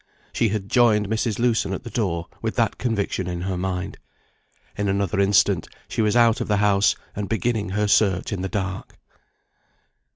She had joined Mrs. Lewson at the door with that conviction in her mind. In another instant, she was out of the house, and beginning her search in the dark.